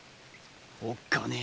おっかねェ。